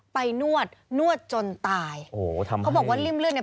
นวดนวดจนตายโอ้โหทำไมเขาบอกว่าริ่มเลือดเนี้ย